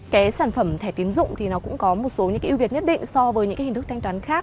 cái sản phẩm thẻ tiến dụng thì nó cũng có một số những cái ưu việt nhất định so với những cái hình thức thanh toán khác